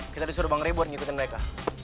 kita disuruh bang rey buat ngikutin mereka